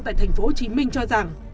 tại tp hcm cho rằng